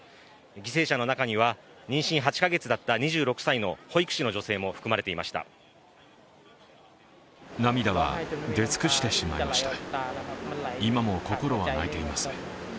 犠牲者の中には妊娠８か月だった２６歳の保育士の女性も含まれていました。